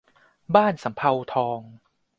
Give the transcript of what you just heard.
บ้านสำเภาทอง